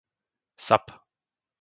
Sap